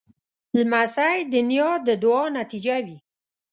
لمسی د نیا د دعا نتیجه وي.